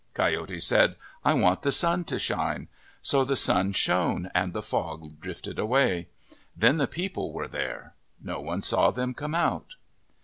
Coyote said, ' I want the sun to shine.' So the sun shone and the fog drifted away. Then the people were there. No one saw them come out."